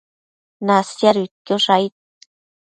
Nasiaduidquiosh aid